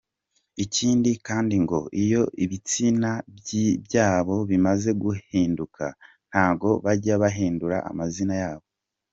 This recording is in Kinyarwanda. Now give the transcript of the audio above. Ikindi kandi ngo iyo ibitsina byabo bimaze guhinduka, ntago bajya bahindura amazina yabo.